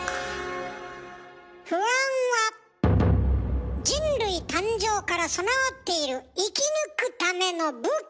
不安は人類誕生から備わっている生き抜くための武器。